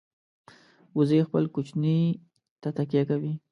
وزې خپل کوچني ته تکیه کوي